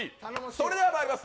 それではまいります